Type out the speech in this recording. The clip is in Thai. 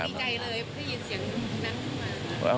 พี่ฟยินเสียงนั่งมา